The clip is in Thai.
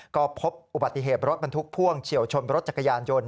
ก็พบอุบัติเหตุรถบรรทุกพ่วงเฉียวชนรถจักรยานยนต์